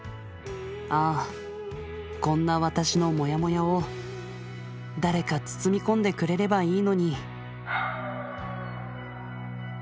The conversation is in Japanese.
ああこんな私のモヤモヤを誰か包み込んでくれればいいのに」。